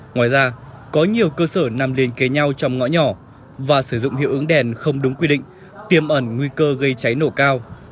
ngoài ra có nhiều cơ sở nằm liên kế nhau trong ngõ nhỏ và sử dụng hiệu ứng đèn không đúng quy định tiêm ẩn nguy cơ gây cháy nổ cao